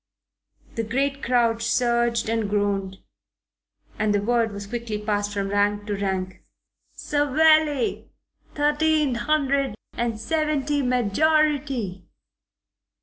The great crowd surged and groaned, and the word was quickly passed from rank to rank. "Savelli. Thirteen hundred and seventy majority."